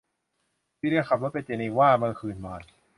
ซีเลียขับรถไปเจนีวาเมื่อคืนวาน